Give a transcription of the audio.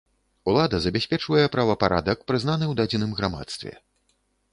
Улада забяспечвае правапарадак, прызнаны ў дадзеным грамадстве.